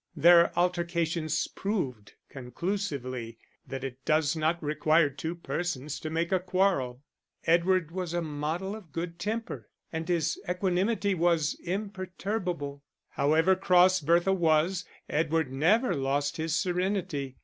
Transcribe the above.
Their altercations proved conclusively that it does not require two persons to make a quarrel. Edward was a model of good temper, and his equanimity was imperturbable. However cross Bertha was, Edward never lost his serenity.